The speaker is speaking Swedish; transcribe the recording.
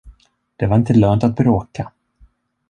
Det var inte lönt att bråka.